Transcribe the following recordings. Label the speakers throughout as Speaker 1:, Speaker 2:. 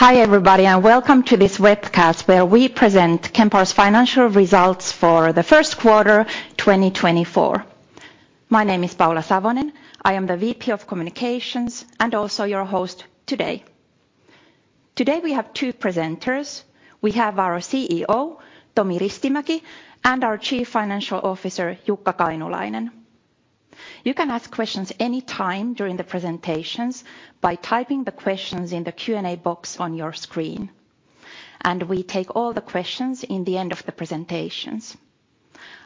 Speaker 1: Hi, everybody, and welcome to this webcast where we present Kempower's financial results for the first quarter, 2024. My name is Paula Savonen. I am the VP of Communications and also your host today. Today, we have two presenters. We have our CEO, Tomi Ristimäki, and our Chief Financial Officer, Jukka Kainulainen. You can ask questions any time during the presentations by typing the questions in the Q&A box on your screen, and we take all the questions in the end of the presentations.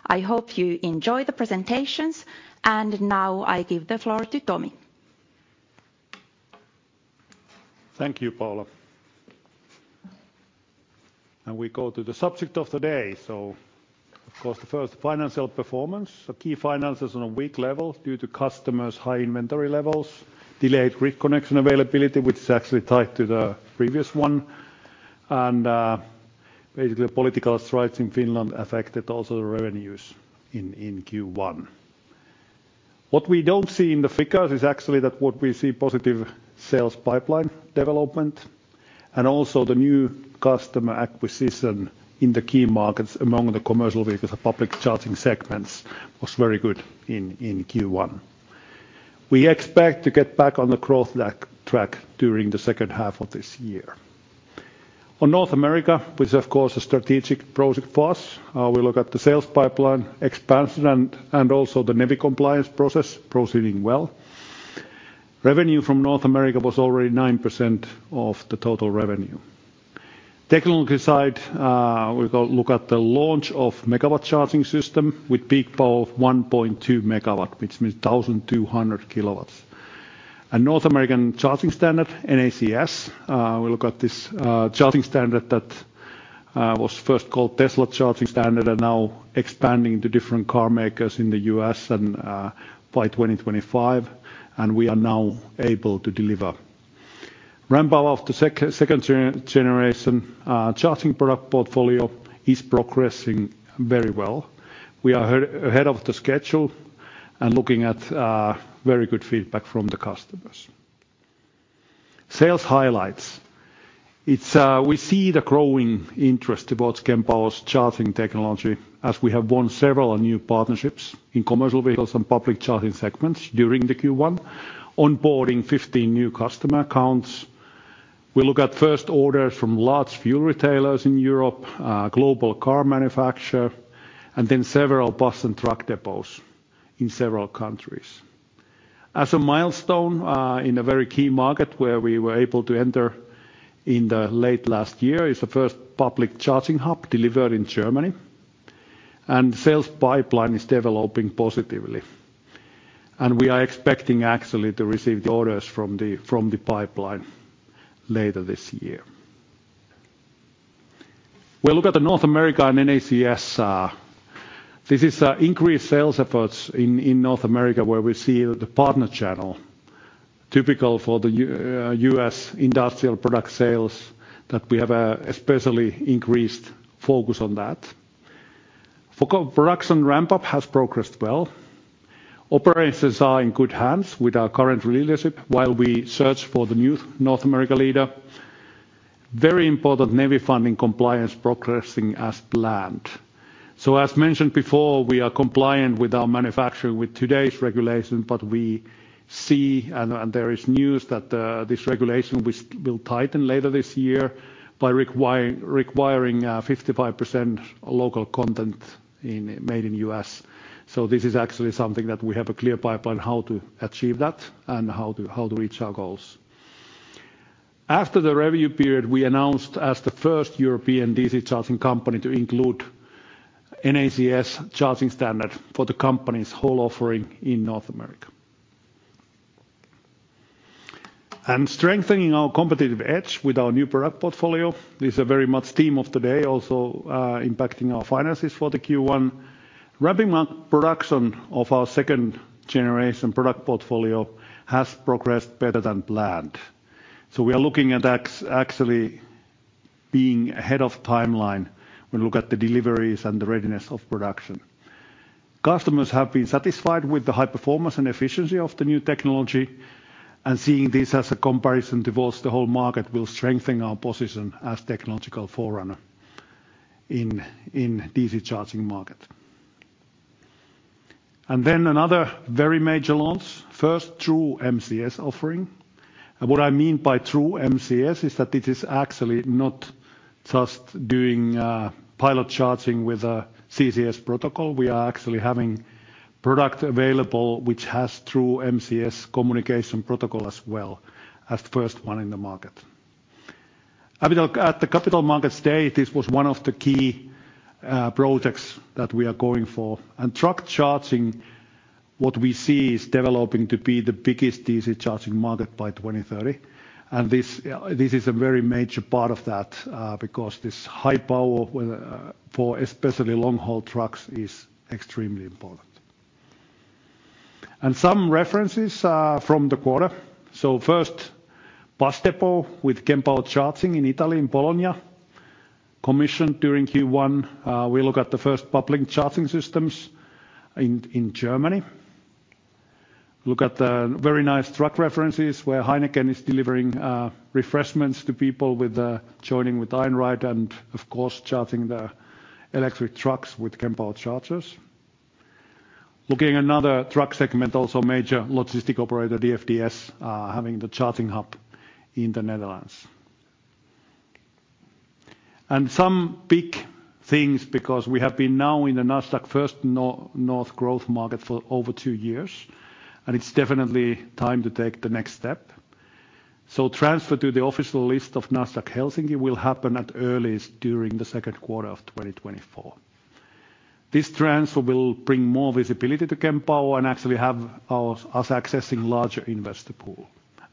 Speaker 1: I hope you enjoy the presentations. Now, I give the floor to Tomi.
Speaker 2: Thank you, Paula. We go to the subject of the day. Of course, the first financial performance. Key finances on a weak level due to customers' high inventory levels, delayed grid connection availability, which is actually tied to the previous one, and basically, political strikes in Finland affected also the revenues in Q1. What we don't see in the figures is actually that what we see positive sales pipeline development and also the new customer acquisition in the key markets among the Commercial Vehicles and Public Charging segments was very good in Q1. We expect to get back on the growth back track during the second half of this year. On North America, which is of course a strategic project for us, we look at the sales pipeline expansion and also the NEVI compliance process proceeding well. Revenue from North America was already 9% of the total revenue. Technological side, we go look at the launch of Megawatt Charging System with peak power of 1.2 MW, which means 1,200 KW. North American Charging Standard, NACS, we look at this charging standard that was first called Tesla charging standard and now expanding to different car makers in the U.S. and, by 2025, and we are now able to deliver. Ramp-up of the second generation charging product portfolio is progressing very well. We are ahead of the schedule and looking at very good feedback from the customers. Sales highlights. We see the growing interest towards Kempower's charging technology as we have won several new partnerships in Commercial Vehicles and Public Charging segments during the Q1, onboarding 15 new customer accounts. We look at first orders from large fuel retailers in Europe, global car manufacturer, and then several bus and truck depots in several countries. As a milestone, in a very key market where we were able to enter in the late last year is the first public charging hub delivered in Germany, and sales pipeline is developing positively. We are expecting actually to receive the orders from the pipeline later this year. We look at North America and NACS. This is increased sales efforts in North America where we see the partner channel, typical for the U.S. industrial product sales, that we have especially increased focus on that. Focus production ramp-up has progressed well. Operations are in good hands with our current leadership while we search for the new North America leader. Very important NEVI funding compliance progressing as planned. As mentioned before, we are compliant with our manufacturing with today's regulation, but we see, and there is news that this regulation will tighten later this year by requiring 55% local content, made in the U.S. This is actually something that we have a clear pipeline how to achieve that and how to reach our goals. After the review period, we announced as the first European DC charging company to include NACS charging standard for the company's whole offering in North America. Strengthening our competitive edge with our new product portfolio is very much a theme of today also, impacting our finances for the Q1. Ramping up production of our second generation product portfolio has progressed better than planned. We are looking at actually being ahead of timeline when we look at the deliveries and the readiness of production. Customers have been satisfied with the high performance and efficiency of the new technology, and seeing this as a comparison towards the whole market will strengthen our position as technological forerunner in DC charging market. Another very major launch, first true MCS offering. What I mean by true MCS is that it is actually not just doing pilot charging with a CCS protocol. We are actually having product available which has true MCS communication protocol as well as first one in the market. I mean, look at the Capital Markets Day, this was one of the key projects that we are going for. Truck charging, what we see is developing to be the biggest DC charging market by 2030, and this is a very major part of that, because this high power, for especially long-haul trucks is extremely important. Some references from the quarter. First, bus depot with Kempower charging in Italy and Bologna commissioned during Q1. We look at the first public charging systems in Germany. Look at the very nice truck references, where HEINEKEN is delivering, refreshments to people with the joining with Einride and of course, charging the electric trucks with Kempower chargers. Looking another truck segment, also major logistics operator DFDS, having the charging hub in the Netherlands. Some big things because we have been now in the Nasdaq First North Growth Market for over two years, and it's definitely time to take the next step. Transfer to the official list of Nasdaq Helsinki will happen at earliest during the second quarter of 2024. This transfer will bring more visibility to Kempower and actually have us accessing larger investor pool.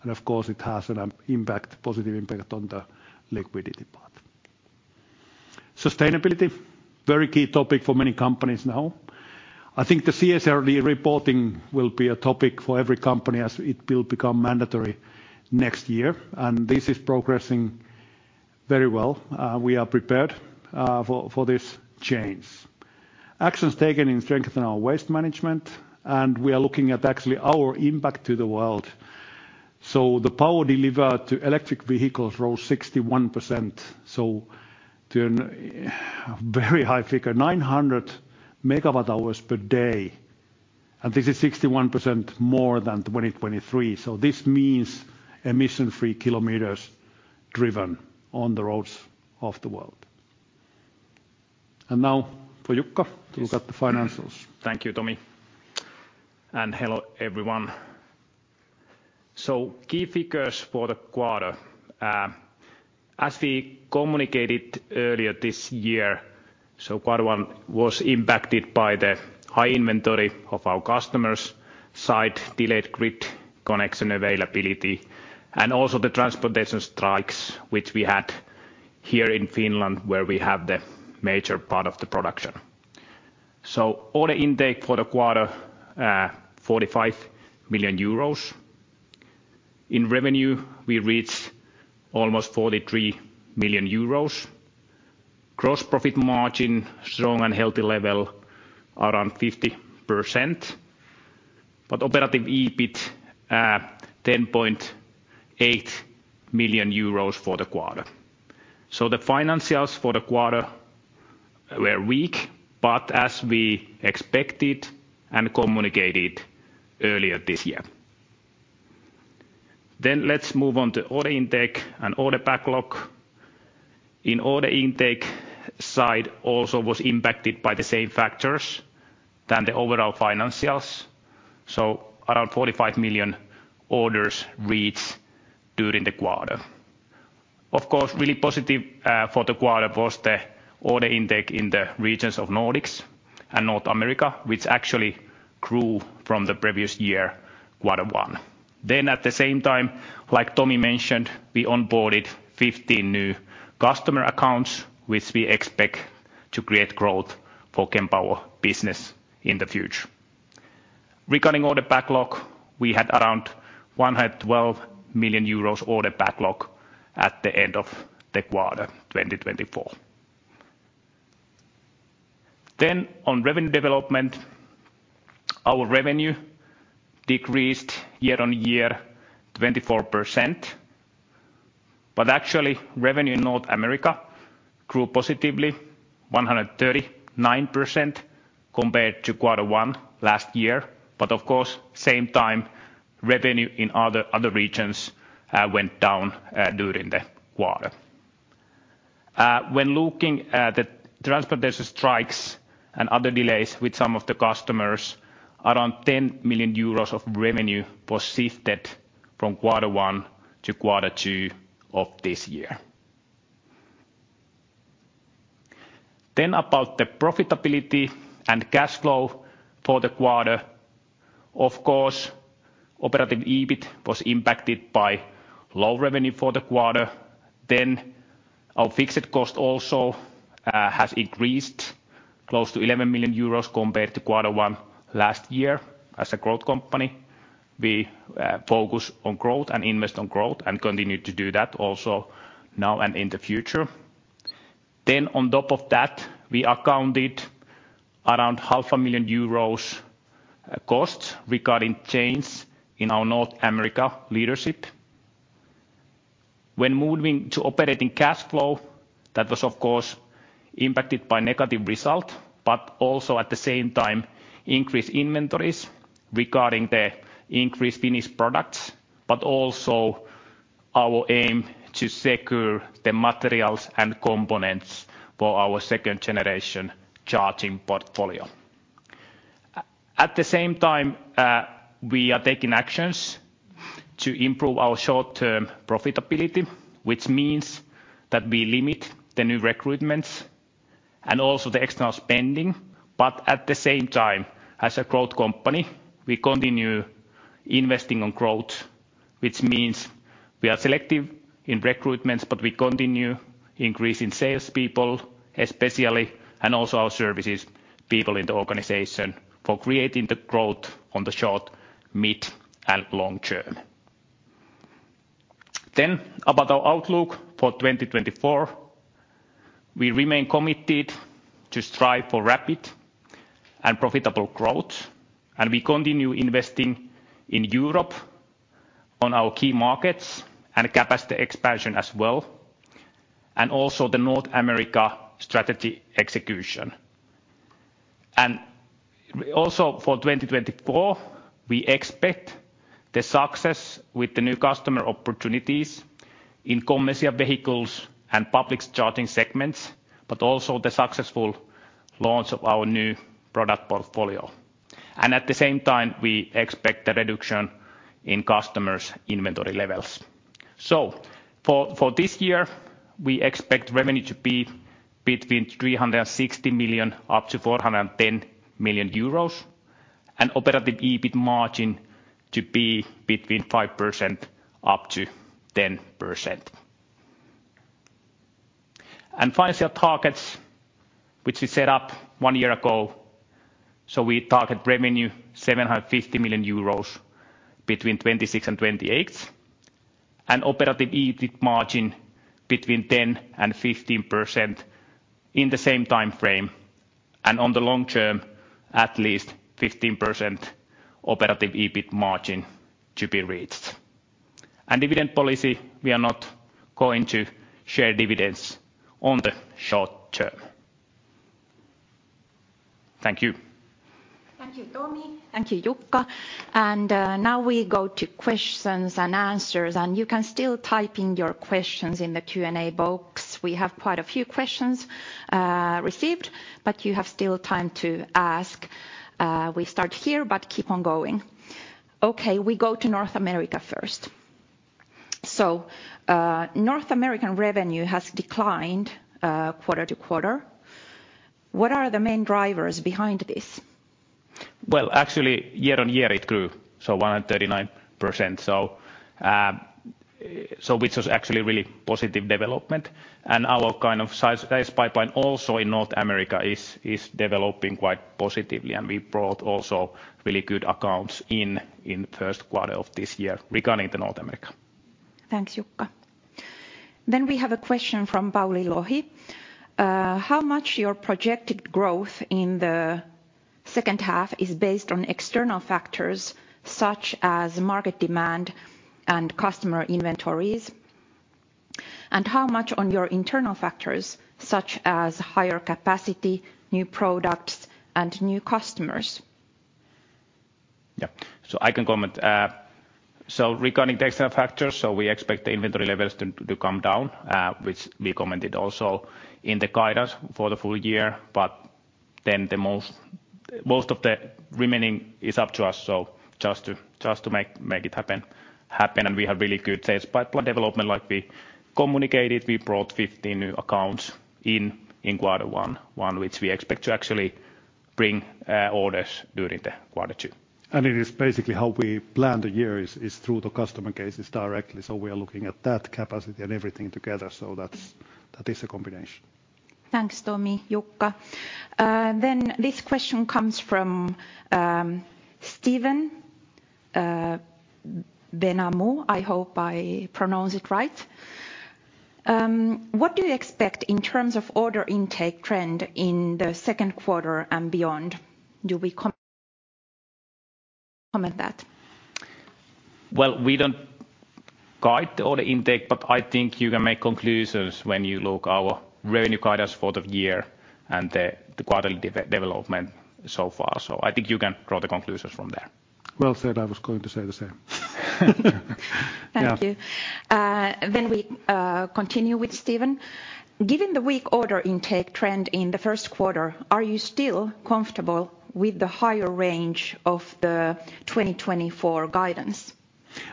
Speaker 2: Of course it has an impact, positive impact on the liquidity part. Sustainability, very key topic for many companies now. I think the CSRD reporting will be a topic for every company as it will become mandatory next year, and this is progressing very well. We are prepared for this change. Actions taken to strengthen our waste management, and we are looking at actually our impact to the world. The power delivered to electric vehicles rose 61%, so to a very high figure, 900 MWh/day, and this is 61% more than 2023. This means emission-free kilometers driven on the roads of the world. Now for Jukka to look at the financials.
Speaker 3: Thank you, Tomi. Hello, everyone. Key figures for the quarter. As we communicated earlier this year, quarter one was impacted by the high inventory of our customers' side, delayed grid connection availability, and also the transportation strikes which we had here in Finland, where we have the major part of the production. Order intake for the quarter, 45 million euros. In revenue, we reached almost 43 million euros. Gross profit margin, strong and healthy level, around 50%. Operative EBIT, 10.8 million euros for the quarter. The financials for the quarter were weak, but as we expected and communicated earlier this year. Let's move on to order intake and order backlog. On the order intake side also was impacted by the same factors as the overall financials, around 45 million orders reached during the quarter. Of course, really positive for the quarter was the order intake in the regions of Nordics and North America, which actually grew from the previous year quarter one. At the same time, like Tomi mentioned, we onboarded 15 new customer accounts, which we expect to create growth for Kempower business in the future. Regarding order backlog, we had around 112 million euros order backlog at the end of the quarter 2024. On revenue development, our revenue decreased year-on-year 24%. Actually, revenue in North America grew positively 139% compared to quarter one last year. Of course, same time, revenue in other regions went down during the quarter. When looking at the transportation strikes and other delays with some of the customers, around 10 million euros of revenue was shifted from quarter one to quarter two of this year. About the profitability and cash flow for the quarter. Of course, operating EBIT was impacted by low revenue for the quarter. Our fixed cost also has increased close to 11 million euros compared to quarter one last year. As a growth company, we focus on growth and invest on growth and continue to do that also now and in the future. On top of that, we accounted around half a million EUR costs regarding change in our North America leadership. When moving to operating cash flow, that was of course impacted by negative result, but also at the same time increased inventories regarding the increased finished products, but also our aim to secure the materials and components for our second-generation charging portfolio. At the same time, we are taking actions to improve our short-term profitability, which means that we limit the new recruitments and also the external spending. At the same time, as a growth company, we continue investing on growth, which means we are selective in recruitments, but we continue increasing salespeople especially, and also our services people in the organization for creating the growth on the short-, mid-, and long-term. About our outlook for 2024, we remain committed to strive for rapid and profitable growth, and we continue investing in Europe on our key markets and capacity expansion as well, and also the North America strategy execution. Also for 2024, we expect the success with the new customer opportunities in Commercial Vehicles and Public Charging segments, but also the successful launch of our new product portfolio. At the same time, we expect a reduction in customers' inventory levels. For this year, we expect revenue to be between 360 million-410 million euros, and operative EBIT margin to be between 5%-10%. Financial targets, which we set up one year ago, so we target revenue 750 million euros between 2026 and 2028, and operative EBIT margin between 10% and 15% in the same timeframe, and on the long term, at least 15% operative EBIT margin to be reached. Dividend policy, we are not going to share dividends on the short term. Thank you.
Speaker 1: Thank you, Tomi. Thank you, Jukka. Now we go to questions and answers, and you can still type in your questions in the Q&A box. We have quite a few questions received, but you have still time to ask. We start here, but keep on going. Okay, we go to North America first. North American revenue has declined quarter-over-quarter. What are the main drivers behind this?
Speaker 3: Well, actually, year-on-year it grew, so 139%, which was actually a really positive development. Our kind of sales pipeline also in North America is developing quite positively, and we brought also really good accounts in the first quarter of this year regarding to North America.
Speaker 1: Thanks, Jukka. We have a question from Pauli Lohi. How much your projected growth in the second half is based on external factors such as market demand and customer inventories, and how much on your internal factors such as higher capacity, new products, and new customers?
Speaker 3: Yeah. I can comment. Regarding the external factors, we expect the inventory levels to come down, which we commented also in the guidance for the full year. The most of the remaining is up to us, so just to make it happen. We have really good sales pipeline development like we communicated. We brought 15 new accounts in quarter one, which we expect to actually bring orders during quarter two.
Speaker 2: It is basically how we plan the year is through the customer cases directly. We are looking at that capacity and everything together, so that's-
Speaker 1: Mm.
Speaker 2: That is a combination.
Speaker 1: Thanks, Tomi, Jukka. This question comes from Steven Benhamou. I hope I pronounce it right. What do you expect in terms of order intake trend in the second quarter and beyond? Do we comment that?
Speaker 3: Well, we don't guide the order intake, but I think you can make conclusions when you look our revenue guidance for the year and the quarterly development so far. I think you can draw the conclusions from there.
Speaker 2: Well said. I was going to say the same.
Speaker 3: Yeah.
Speaker 1: Thank you. We continue with Steven. Given the weak order intake trend in the first quarter, are you still comfortable with the higher range of the 2024 guidance?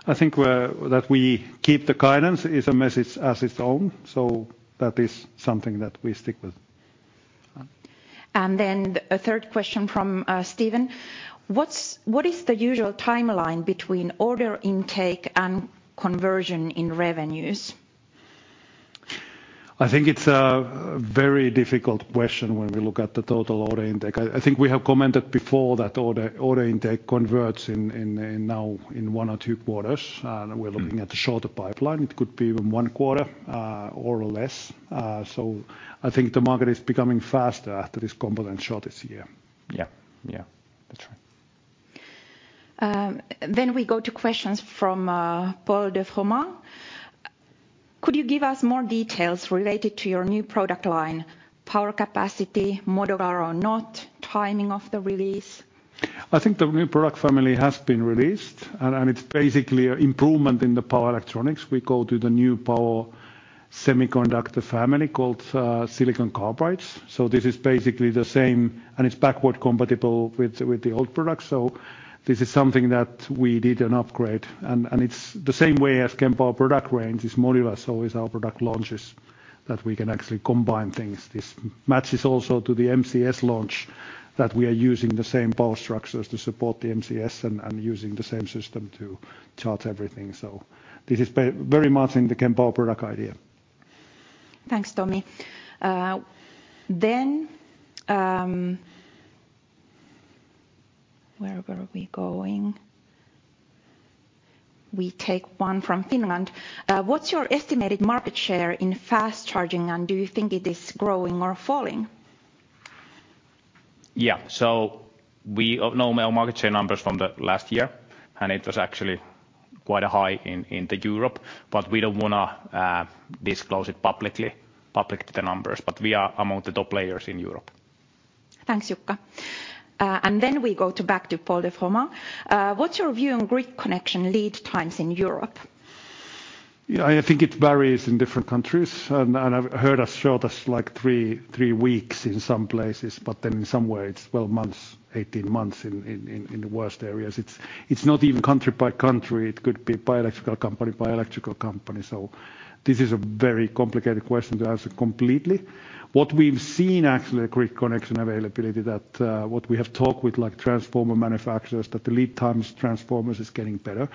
Speaker 2: I think that we keep the guidance as a message as its own, so that is something that we stick with.
Speaker 1: A third question from Steven. What is the usual timeline between order intake and conversion in revenues?
Speaker 2: I think it's a very difficult question when we look at the total order intake. I think we have commented before that order intake converts in now in one or two quarters, and we're looking.
Speaker 3: Mm-hmm
Speaker 2: at the shorter pipeline. It could be even one quarter, or less. I think the market is becoming faster after this component shortage year.
Speaker 3: Yeah. That's right.
Speaker 1: We go to questions from Paul de Froment. Could you give us more details related to your new product line, power capacity, modular or not, timing of the release?
Speaker 2: I think the new product family has been released, and it's basically an improvement in the power electronics. We go to the new power semiconductor family called silicon carbide. This is basically the same, and it's backward compatible with the old product, so this is something that we did an upgrade. It's the same way as Kempower product range is modular, so is our product launches that we can actually combine things. This matches also to the MCS launch that we are using the same power structures to support the MCS and using the same system to charge everything. This is very much in the Kempower product idea.
Speaker 1: Thanks, Tomi. Where were we going? We take one from Finland. What's your estimated market share in fast charging, and do you think it is growing or falling?
Speaker 3: We know our market share numbers from last year, and it was actually quite high in Europe, but we don't wanna disclose it publicly the numbers, but we are among the top players in Europe.
Speaker 1: Thanks, Jukka. We go back to Paul de Froment. What's your view on grid connection lead times in Europe?
Speaker 2: Yeah, I think it varies in different countries. I've heard as short as, like, three weeks in some places, but then in some way it's 12 months, 18 months in the worst areas. It's not even country by country. It could be by electrical company. This is a very complicated question to answer completely. What we've seen actually in grid connection availability that what we have talked with, like, transformer manufacturers, that the lead times transformers is getting better.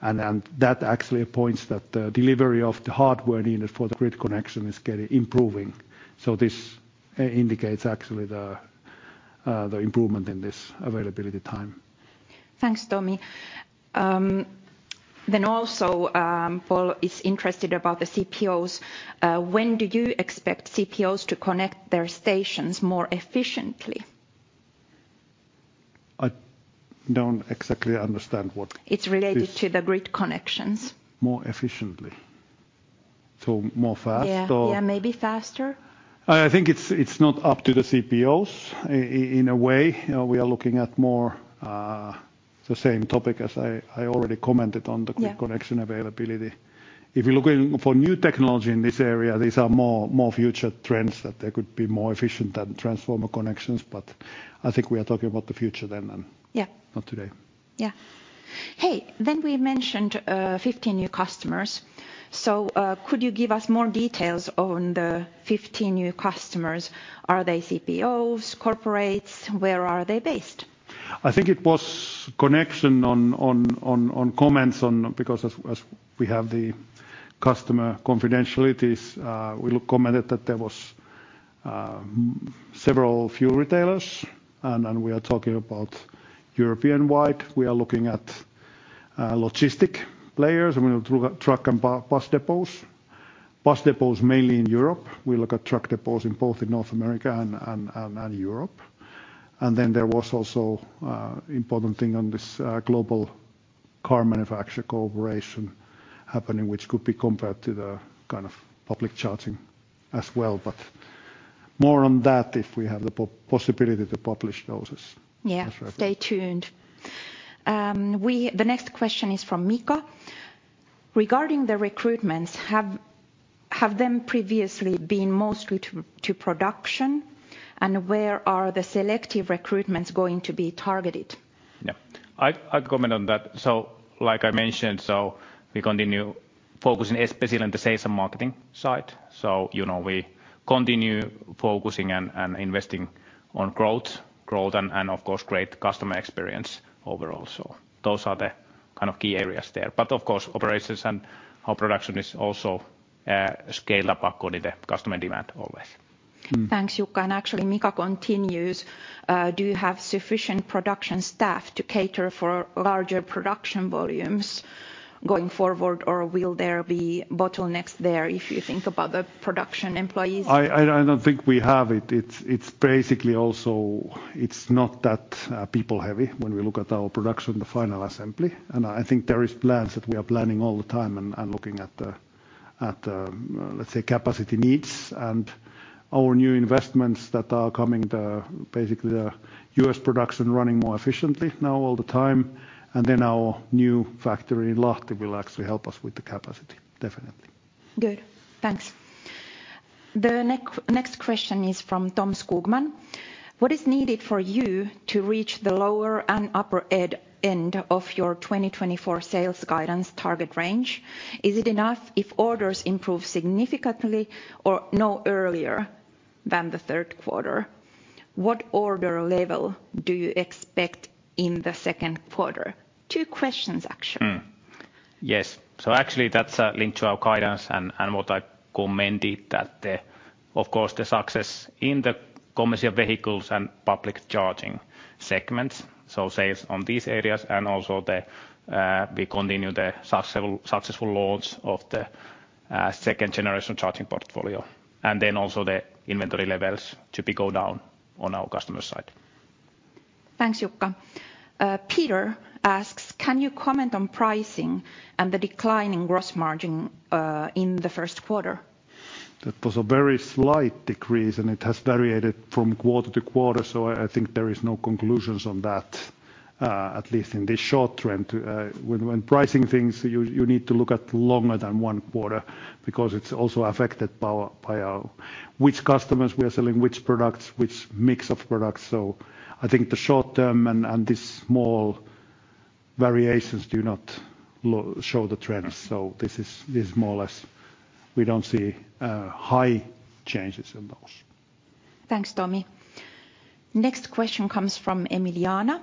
Speaker 2: That actually points that the delivery of the hardware needed for the grid connection is getting improving. This indicates actually the improvement in this availability time.
Speaker 1: Thanks, Tomi. Paul is interested about the CPOs. When do you expect CPOs to connect their stations more efficiently?
Speaker 2: I don't exactly understand what this-
Speaker 1: It's related to the grid connections....
Speaker 2: more efficiently. More fast or?
Speaker 1: Yeah, yeah. Maybe faster.
Speaker 2: I think it's not up to the CPOs. In a way, we are looking at more, the same topic as I already commented on the-
Speaker 1: Yeah
Speaker 2: Grid connection availability. If you're looking for new technology in this area, these are more future trends that they could be more efficient than transformer connections, but I think we are talking about the future then and.
Speaker 1: Yeah
Speaker 2: Not today.
Speaker 1: Yeah. Hey, then we mentioned 15 new customers. Could you give us more details on the 15 new customers? Are they CPOs, corporates? Where are they based?
Speaker 2: I think it was comments on. Because as we have the customer confidentialities, we commented that there was several fuel retailers. We are talking about European-wide. We are looking at logistics players, and we look at truck and e-bus depots. Bus depots mainly in Europe. We look at truck depots in both North America and Europe. There was also important thing on this global car manufacturer cooperation happening, which could be compared to the kind of public charging as well. More on that if we have the possibility to publish those as.
Speaker 1: Yeah
Speaker 2: as reference.
Speaker 1: Stay tuned. The next question is from Mika. Regarding the recruitments, have they previously been mostly to production? Where are the selective recruitments going to be targeted?
Speaker 3: Yeah. I'd comment on that. Like I mentioned, so we continue focusing especially on the sales and marketing side. You know, we continue focusing and investing on growth and of course great customer experience overall. Those are the kind of key areas there. Of course operations and our production is also scaled up according to customer demand always.
Speaker 2: Mm.
Speaker 1: Thanks, Jukka. Actually Mika continues, do you have sufficient production staff to cater for larger production volumes going forward, or will there be bottlenecks there if you think about the production employees?
Speaker 2: I don't think we have it. It's basically also not that people-heavy when we look at our production, the final assembly, and I think there is plans that we are planning all the time and looking at the capacity needs and our new investments that are coming. Basically the U.S. production running more efficiently now all the time, and then our new factory in Lahti will actually help us with the capacity, definitely.
Speaker 1: Good. Thanks. The next question is from Tom Skogman. What is needed for you to reach the lower and upper end of your 2024 sales guidance target range? Is it enough if orders improve significantly or no earlier than the third quarter? What order level do you expect in the second quarter? Two questions, actually.
Speaker 3: Actually that's a link to our guidance and what I commented that the, of course, the success in the Commercial Vehicles and Public Charging segments, so sales on these areas, and also the we continue the successful launch of the second generation charging portfolio. Then also the inventory levels to be go down on our customer side.
Speaker 1: Thanks, Jukka. Pia asks, "Can you comment on pricing and the decline in gross margin in the first quarter?
Speaker 2: That was a very slight decrease, and it has varied from quarter to quarter. I think there is no conclusion on that, at least in this short trend. When pricing things, you need to look at longer than one quarter because it's also affected by our which customers we are selling which products, which mix of products. I think the short term and these small variations do not show the trends. This is more or less we don't see high changes in those.
Speaker 1: Thanks, Tomi. Next question comes from Emiliana.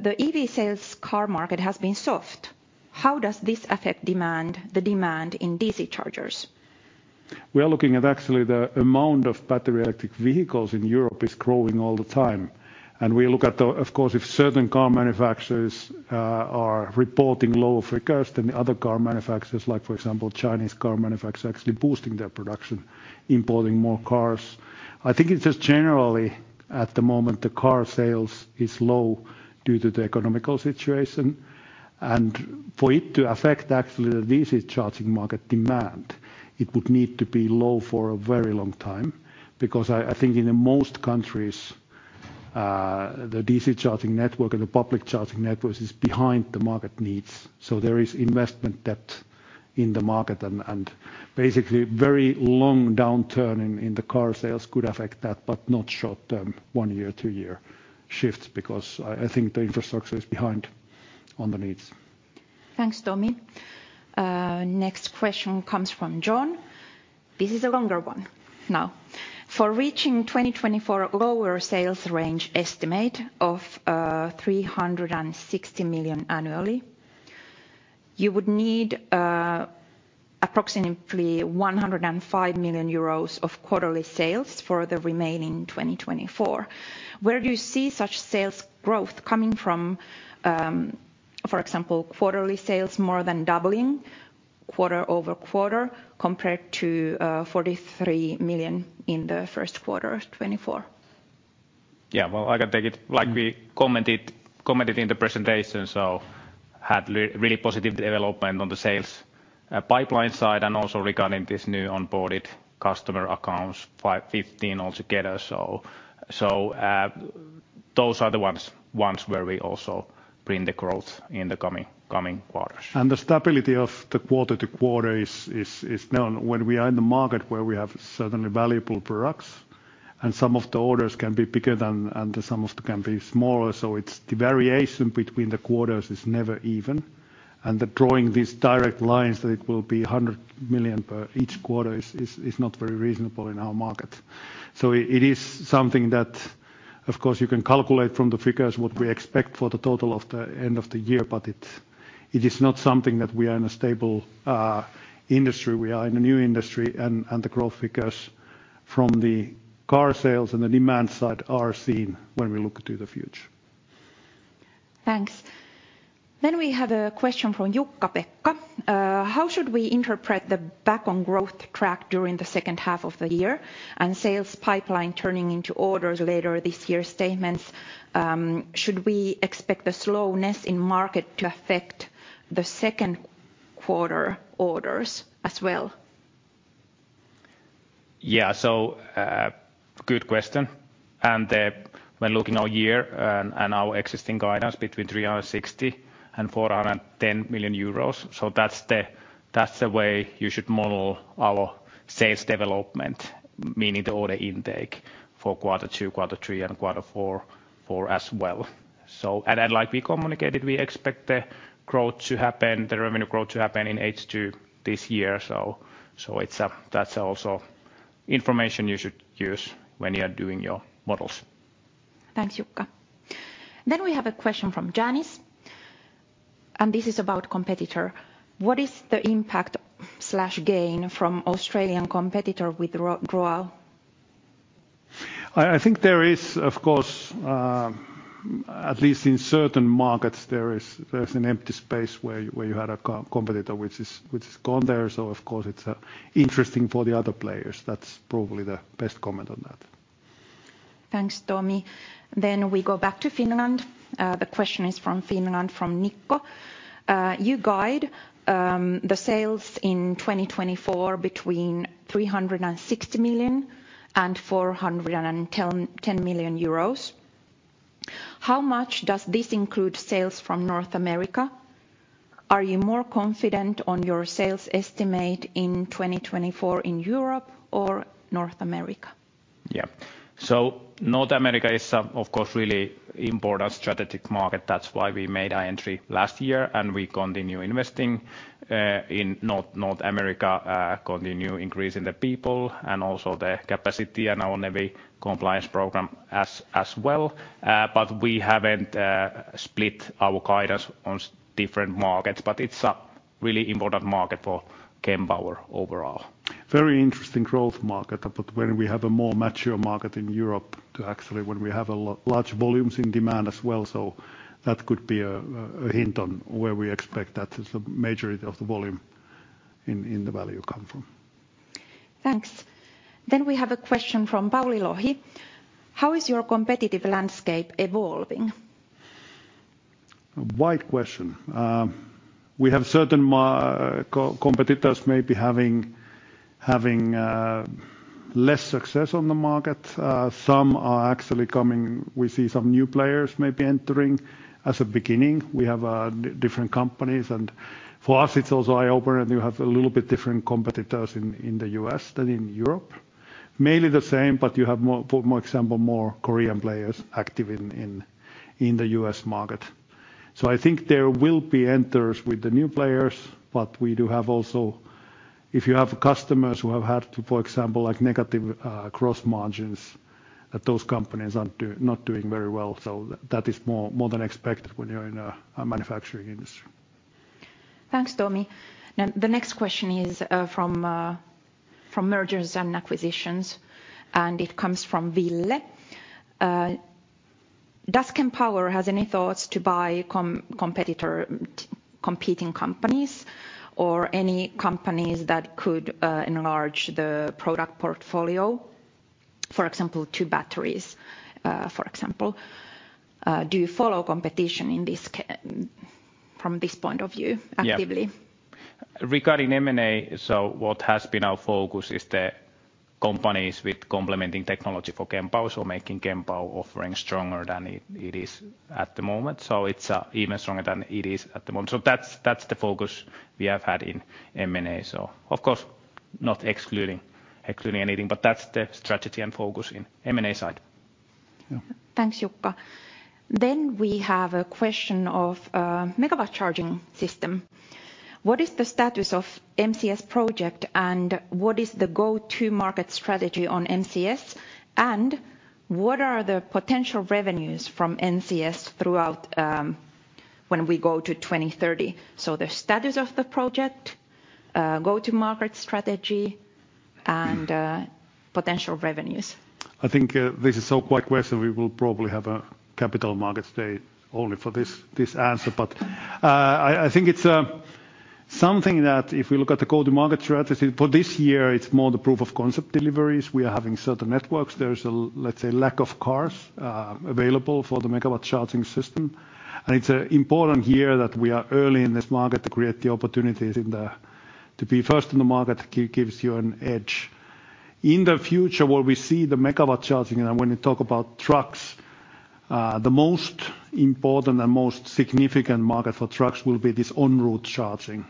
Speaker 1: The EV sales car market has been soft. How does this affect demand in DC chargers?
Speaker 2: We are looking at, actually, the amount of battery electric vehicles in Europe is growing all the time. Of course, if certain car manufacturers are reporting low figures than the other car manufacturers, like for example Chinese car manufacturers actually boosting their production, importing more cars. I think it's just generally at the moment the car sales is low due to the economic situation. For it to affect actually the DC charging market demand, it would need to be low for a very long time, because I think in most countries the DC charging network and the public charging networks is behind the market needs. There is investment debt in the market and basically very long downturn in the car sales could affect that, but not short-term one-year, two-year shifts, because I think the infrastructure is behind on the needs.
Speaker 1: Thanks, Tomi. Next question comes from John. This is a longer one now. For reaching 2024 lower sales range estimate of 360 million annually, you would need approximately 105 million euros of quarterly sales for the remaining 2024. Where do you see such sales growth coming from, for example, quarterly sales more than doubling quarter-over-quarter compared to 43 million in the first quarter of 2024?
Speaker 3: Yeah. Well, I can take it. Like we commented in the presentation, we had really positive development on the sales pipeline side and also regarding this new onboarded customer accounts, 515 altogether. Those are the ones where we also bring the growth in the coming quarters.
Speaker 2: The stability of the quarter-to-quarter is known when we are in the market where we have certainly valuable products and some of the orders can be bigger than, and some of them can be smaller. It's the variation between the quarters is never even, and than drawing these direct lines that it will be 100 million per each quarter is not very reasonable in our market. It is something that, of course, you can calculate from the figures what we expect for the total of the end of the year, but it is not something that we are in a stable industry. We are in a new industry and the growth figures from the car sales and the demand side are seen when we look to the future.
Speaker 1: Thanks. We have a question from Juha-Pekka. How should we interpret the back on growth track during the second half of the year and sales pipeline turning into orders later this year statements? Should we expect the slowness in market to affect the second quarter orders as well?
Speaker 3: Yeah. Good question. When looking at our year and our existing guidance between 360 million and 410 million euros, that's the way you should model our sales development, meaning the order intake for quarter two, quarter three, and quarter four as well. Like we communicated, we expect the growth to happen, the revenue growth to happen in H2 this year. That's also information you should use when you are doing your models.
Speaker 1: Thanks, Jukka. We have a question from Janice, and this is about competitor. What is the impact/gain from Australian competitor with Tritium?
Speaker 2: I think there is, of course, at least in certain markets, an empty space where you had a competitor which is gone there, so of course it's interesting for the other players. That's probably the best comment on that.
Speaker 1: Thanks, Tomi. We go back to Finland. The question is from Finland, from Nikko. You guide the sales in 2024 between 360 million and 410 million euros. How much does this include sales from North America? Are you more confident on your sales estimate in 2024 in Europe or North America?
Speaker 3: North America is, of course, really important strategic market. That's why we made our entry last year, and we continue investing in North America, continue increasing the people and also the capacity in our NEVI compliance program as well. We haven't split our guidance on different markets, but it's a really important market for Kempower overall.
Speaker 2: Very interesting growth market, but when we have a more mature market in Europe too actually when we have large volumes in demand as well, so that could be a hint on where we expect that as a majority of the volume in the value come from.
Speaker 1: Thanks. We have a question from Pauli Lohi. How is your competitive landscape evolving?
Speaker 2: A wide question. We have certain competitors maybe having less success on the market. Some are actually coming. We see some new players maybe entering as a beginning. We have different companies. For us, it's also an eye-opener, and you have a little bit different competitors in the U.S. than in Europe. Mainly the same, but you have more, for example, more Korean players active in the U.S. market. I think there will be entrants with the new players, but we do have also. If you have customers who have had to, for example, like negative gross margins, those companies aren't doing very well, so that is more than expected when you're in a manufacturing industry.
Speaker 1: Thanks, Tomi. Now the next question is from mergers and acquisitions, and it comes from Ville. Does Kempower has any thoughts to buy competitor, competing companies or any companies that could enlarge the product portfolio, for example, to batteries, for example? Do you follow competition in this from this point of view actively?
Speaker 3: Yeah. Regarding M&A, what has been our focus is the companies with complementing technology for Kempower, so making Kempower offering stronger than it is at the moment. It's even stronger than it is at the moment. That's the focus we have had in M&A. Of course not excluding anything, but that's the strategy and focus in M&A side. Yeah.
Speaker 1: Thanks, Jukka. We have a question of Megawatt Charging System. What is the status of MCS project and what is the go-to-market strategy on MCS? What are the potential revenues from MCS throughout, when we go to 2030? The status of the project, go-to-market strategy and potential revenues.
Speaker 2: I think this is such a quiet question we will probably have a Capital Markets Day only for this answer. I think it's something that if we look at the go-to-market strategy for this year it's more the proof of concept deliveries. We are having certain networks. There is a let's say lack of cars available for the Megawatt Charging System. It's important here that we are early in this market to create the opportunities in the to be first in the market gives you an edge. In the future where we see the Megawatt Charging System, and when you talk about trucks, the most important and most significant market for trucks will be this en route charging. We'll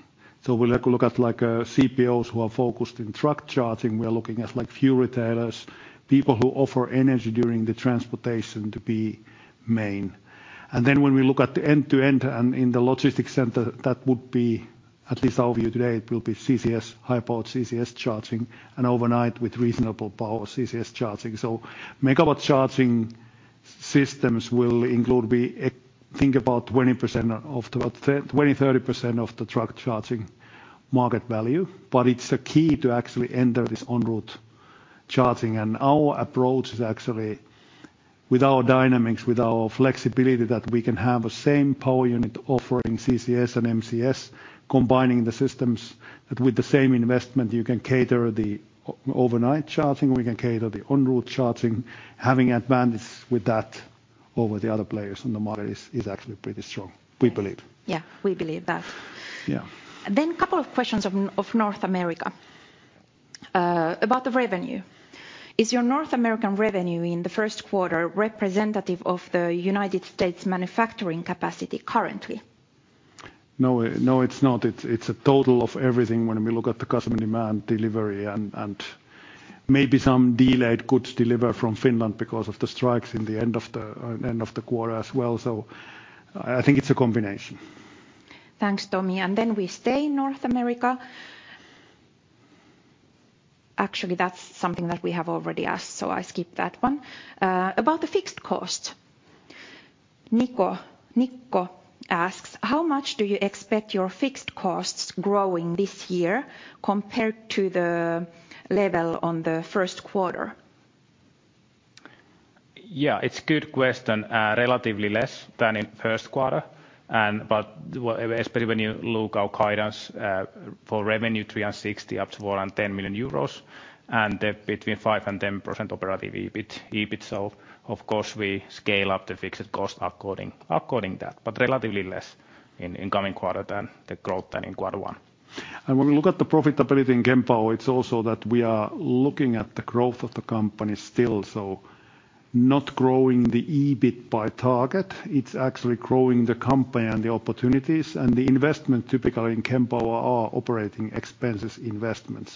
Speaker 2: have a look at CPOs who are focused in truck charging. We are looking at, like, few retailers, people who offer energy during the transportation to be main. Then when we look at the end-to-end and in the logistics center, that would be, at least our view today, it will be CCS, high power CCS charging and overnight with reasonable power CCS charging. Megawatt Charging Systems will include we think about 20% of the 20%-30% of the truck charging market value, but it's a key to actually enter this en route charging. Our approach is actually with our dynamics, with our flexibility that we can have a same power unit offering CCS and MCS combining the systems that with the same investment you can cater the overnight charging, we can cater the en route charging. Having advantage with that over the other players in the market is actually pretty strong, we believe.
Speaker 1: Yeah, we believe that.
Speaker 2: Yeah.
Speaker 1: A couple of questions on North America about the revenue. Is your North American revenue in the first quarter representative of the United States manufacturing capacity currently?
Speaker 2: No, no it's not. It's a total of everything when we look at the customer demand delivery and maybe some delayed goods delivery from Finland because of the strikes in the end of the quarter as well. I think it's a combination.
Speaker 1: Thanks, Tomi. We stay in North America. Actually, that's something that we have already asked, so I skip that one. About the fixed cost, Nikko asks: how much do you expect your fixed costs growing this year compared to the level on the first quarter?
Speaker 3: Yeah, it's good question. Relatively less than in first quarter, but especially when you look our guidance for revenue 360 million-410 million euros, and between 5% and 10% operative EBIT. Of course we scale up the fixed cost according that, but relatively less in coming quarter than the growth in quarter one.
Speaker 2: When we look at the profitability in Kempower, it's also that we are looking at the growth of the company still. Not growing the EBIT by target, it's actually growing the company and the opportunities. The investment typically in Kempower are operating expenses investment.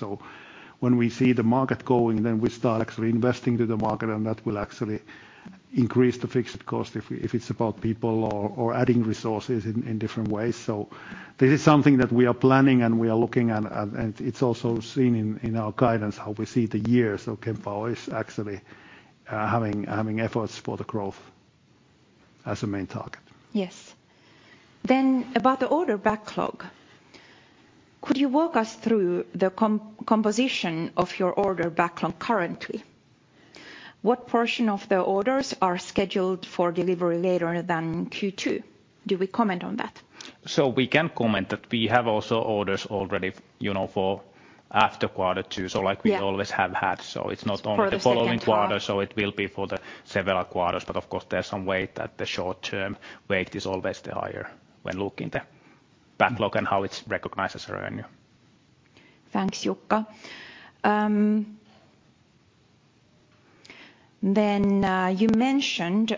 Speaker 2: When we see the market going, then we start actually investing to the market and that will actually increase the fixed cost if it's about people or adding resources in different ways. This is something that we are planning and we are looking and it's also seen in our guidance how we see the years of Kempower is actually having efforts for the growth as a main target.
Speaker 1: Yes. About the order backlog, could you walk us through the composition of your order backlog currently? What portion of the orders are scheduled for delivery later than Q2? Do we comment on that?
Speaker 3: We can comment that we have also orders already, you know, for after quarter two.
Speaker 1: Yeah.
Speaker 3: Like we always have had, so it's not only.
Speaker 1: For the second half.
Speaker 3: The following quarter, so it will be for the several quarters. Of course there's some weight that the short term weight is always the higher when looking at the backlog and how it's recognized as revenue.
Speaker 1: Thanks, Jukka. You mentioned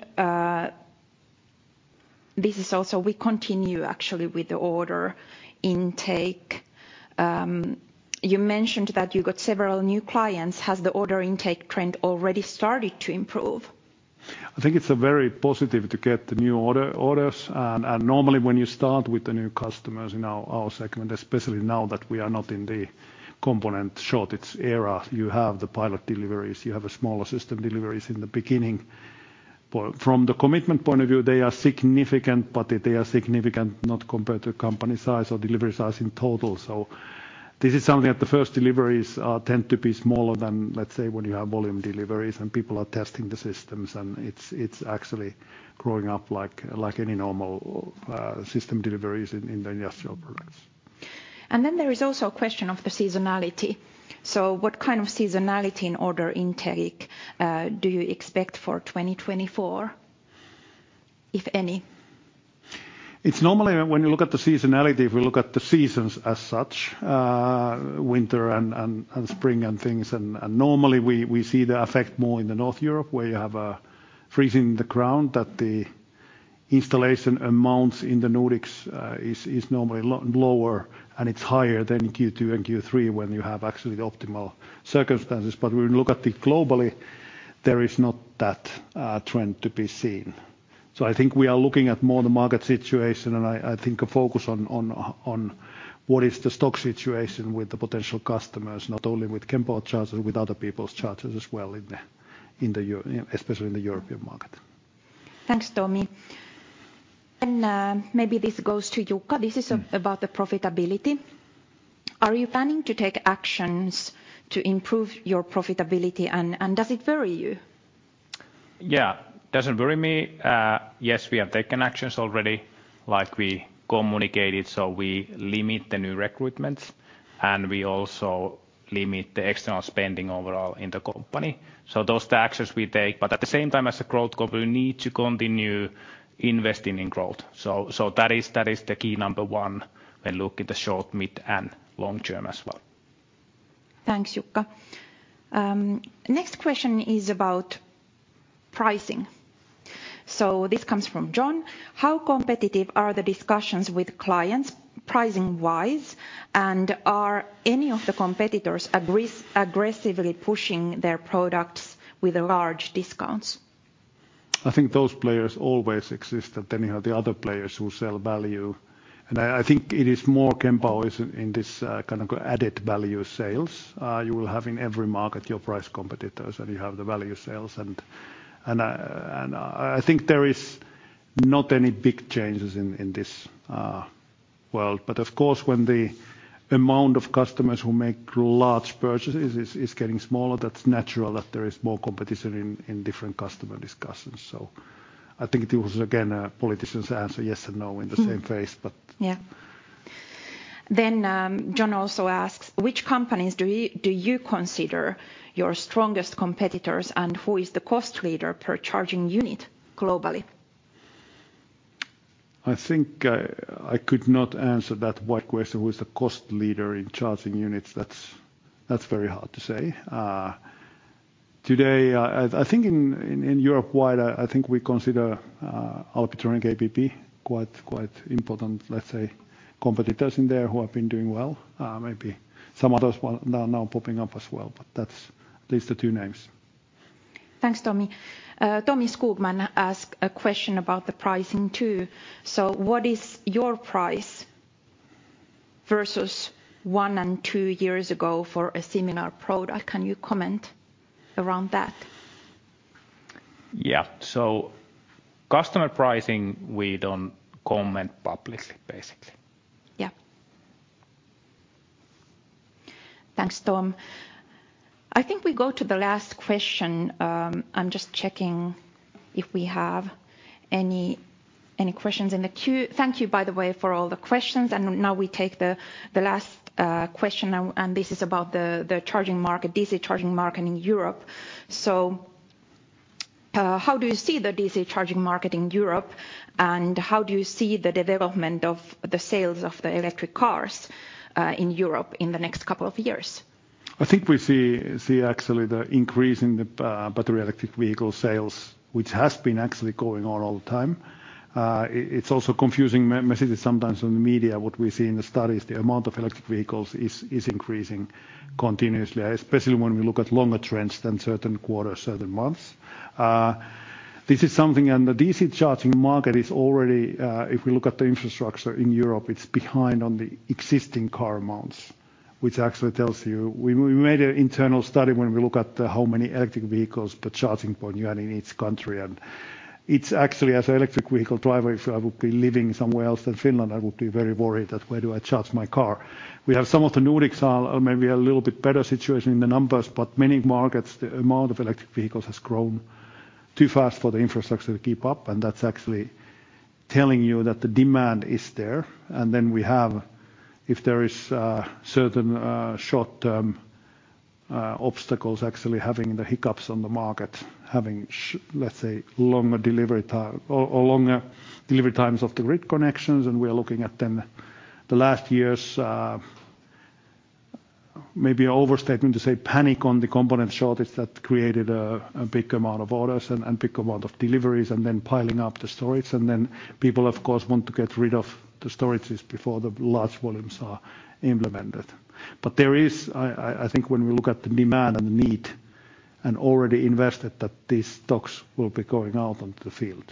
Speaker 1: this. Also, we continue actually with the order intake. You mentioned that you got several new clients. Has the order intake trend already started to improve?
Speaker 2: I think it's very positive to get the new orders. Normally when you start with the new customers in our segment, especially now that we are not in the component shortage era, you have the pilot deliveries, you have smaller system deliveries in the beginning. From the commitment point of view, they are significant, but they are significant not compared to company size or delivery size in total. This is something that the first deliveries tend to be smaller than, let's say, when you have volume deliveries and people are testing the systems and it's actually growing up like any normal system deliveries in the industrial products.
Speaker 1: There is also a question of the seasonality. What kind of seasonality and order intake do you expect for 2024, if any?
Speaker 2: It's normally when you look at the seasonality, if we look at the seasons as such, winter and spring and things, normally we see the effect more in Northern Europe, where you have a freeze in the ground that the installation amounts in the Nordics is normally lower, and it's higher in Q2 and Q3 when you have actually the optimal circumstances. When we look at it globally, there is not that trend to be seen. I think we are looking at more the market situation, and I think a focus on what is the stock situation with the potential customers, not only with Kempower chargers, with other people's chargers as well, especially in the European market.
Speaker 1: Thanks, Tomi. Maybe this goes to Jukka. This is about the profitability. Are you planning to take actions to improve your profitability and does it worry you?
Speaker 3: Yeah. Doesn't worry me. Yes, we have taken actions already, like we communicated, so we limit the new recruitments and we also limit the external spending overall in the company. Those are the actions we take. At the same time, as a growth company, we need to continue investing in growth. That is the key number one when look at the short, mid, and long term as well.
Speaker 1: Thanks, Jukka. Next question is about pricing. This comes from John: How competitive are the discussions with clients pricing-wise, and are any of the competitors aggressively pushing their products with large discounts?
Speaker 2: I think those players always exist, and then you have the other players who sell value. I think it is more Kempower is in this kind of added value sales. You will have in every market your price competitors and you have the value sales. I think there is not any big changes in this world. But of course, when the amount of customers who make large purchases is getting smaller, that's natural that there is more competition in different customer discussions. I think it was again a politician's answer, yes and no in the same phrase, but.
Speaker 1: Yeah. John also asks: Which companies do you consider your strongest competitors, and who is the cost leader per charging unit globally?
Speaker 2: I think I could not answer that wide question, who is the cost leader in charging units. That's very hard to say. Today I think in Europe wide, I think we consider Alpitronic, ABB quite important, let's say, competitors in there who have been doing well. Maybe some others are now popping up as well, but that's at least the two names.
Speaker 1: Thanks, Tomi. Tom Skogman asked a question about the pricing too. What is your price versus one and two years ago for a similar product? Can you comment around that?
Speaker 3: Yeah. Customer pricing, we don't comment publicly, basically.
Speaker 1: Yeah. Thanks, Tom. I think we go to the last question. Thank you, by the way, for all the questions, and now we take the last question and this is about the DC charging market in Europe. How do you see the DC charging market in Europe, and how do you see the development of the sales of the electric cars in Europe in the next couple of years?
Speaker 2: I think we see actually the increase in the battery electric vehicle sales, which has been actually going on all the time. It's also confusing messages sometimes on the media, what we see in the studies, the amount of electric vehicles is increasing continuously, especially when we look at longer trends than certain quarters, certain months. This is something. The DC charging market is already, if we look at the infrastructure in Europe, it's behind on the existing car amounts, which actually tells you. We made an internal study when we look at how many electric vehicles per charging point you have in each country, and it's actually, as an electric vehicle driver, if I would be living somewhere else than Finland, I would be very worried at where do I charge my car. We have some of the Nordics are maybe a little bit better situation in the numbers, but many markets, the amount of electric vehicles has grown too fast for the infrastructure to keep up, and that's actually telling you that the demand is there. Then we have, if there is certain short-term obstacles actually having the hiccups on the market, having let's say, longer delivery time or longer delivery times of the grid connections, and we are looking at then the last year's maybe overstating to say panic on the component shortage that created a big amount of orders and big amount of deliveries, and then piling up the storage. Then people of course want to get rid of the storages before the large volumes are implemented. I think when we look at the demand and the need and already invested, that these stocks will be going out onto the field.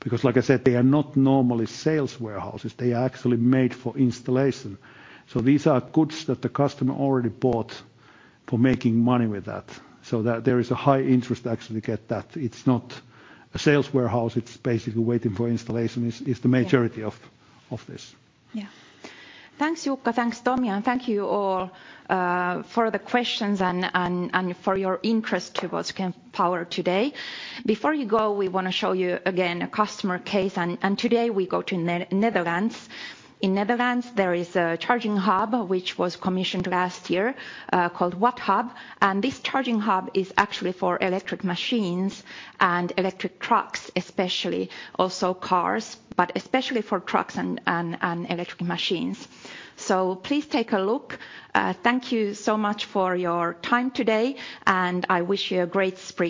Speaker 2: Because like I said, they are not normally sales warehouses, they are actually made for installation. These are goods that the customer already bought for making money with that. That there is a high interest to actually get that. It's not a sales warehouse, it's basically waiting for installation is the majority of this.
Speaker 1: Yeah. Thanks, Jukka. Thanks, Tomi. Thank you all for the questions and for your interest towards Kempower today. Before you go, we wanna show you again a customer case, and today we go to Netherlands. In Netherlands, there is a charging hub which was commissioned last year, called WattHub, and this charging hub is actually for electric machines and electric trucks, especially also cars, but especially for trucks and electric machines. Please take a look. Thank you so much for your time today, and I wish you a great spring.